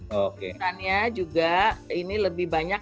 oke juga ini lebih banyak